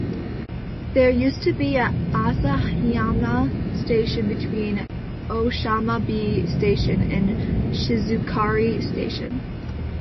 There used to be Asahihama station between Oshamambe Station and Shizukari Station.